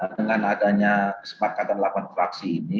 dengan adanya kesepakatan delapan fraksi ini